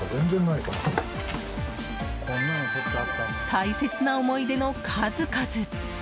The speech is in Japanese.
大切な思い出の数々！